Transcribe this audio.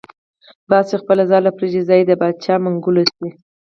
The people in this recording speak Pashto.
باز چی خپله ځاله پریږدی ځای یی دباچا منګول شی .